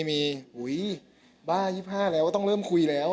มีบ้า๒๕แล้วต้องเริ่มคุยแล้ว